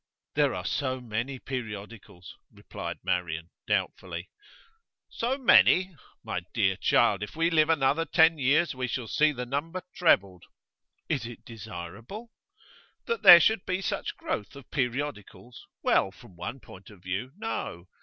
'There are so many periodicals,' replied Marian, doubtfully. 'So many? My dear child, if we live another ten years we shall see the number trebled.' 'Is it desirable?' 'That there should be such growth of periodicals? Well, from one point of view, no.